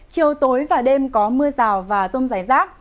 chiều tối và đêm có mưa rào và rông rải rác